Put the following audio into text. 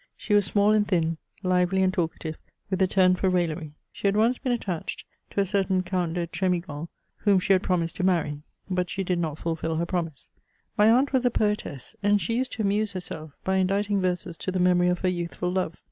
She was small and thin, lively and talkative, with a turn for raillery. She had once been attached to a certain Count de Tr^igon, whom she had promised to marry ; but she did not fulfil her promise. My aunt was a poetess, and she used to amuse herself by inditing verses to the memory of her youthful love.